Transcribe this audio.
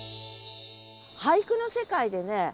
俳句の世界でね